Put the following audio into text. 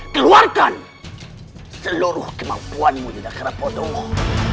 keluarkan seluruh kemampuanmu yudhakara podoh